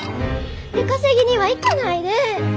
出稼ぎには行かないで！